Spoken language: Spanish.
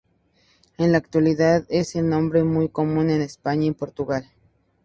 En la actualidad es un nombre muy común en España y Portugal.